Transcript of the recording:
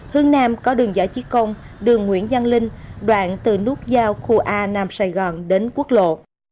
hướng nam có đường giải trí công đường nguyễn văn linh đoạn từ nút giao khu a nam sài gòn đến quốc lộ